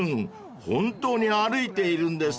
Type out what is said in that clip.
本当に歩いているんですね］